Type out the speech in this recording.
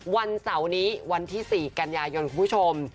วันเสาร์นี้วันที่๔กันยายนคุณผู้ชม